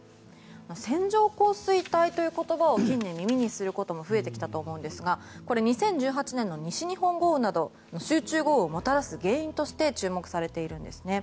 線状降水帯という言葉を近年、耳にすることも増えてきたと思うんですがこれ、２０１８年の西日本豪雨など集中豪雨をもたらす原因として注目されているんです。